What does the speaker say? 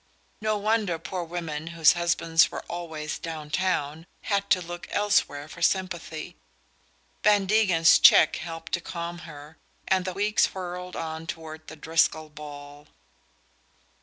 No wonder poor women whose husbands were always "down town" had to look elsewhere for sympathy! Van Degen's cheque helped to calm her, and the weeks whirled on toward the Driscoll ball.